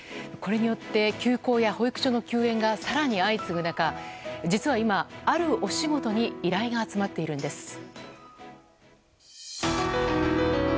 これによって休校や保育所の休園が更に相次ぐ中、実は今あるお仕事に依頼が集まっているんです。